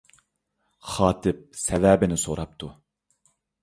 خاتىپ سەۋەبىنى سوراپتۇ.